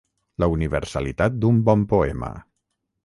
La universalitat d’un bon poema.